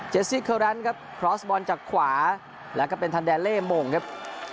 สซิเคอร์แรนด์ครับคลอสบอลจากขวาแล้วก็เป็นทันแดเล่มงครับ